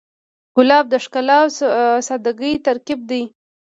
ګلاب د ښکلا او سادګۍ ترکیب دی.